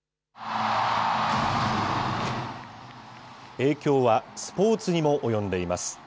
影響はスポーツにも及んでいます。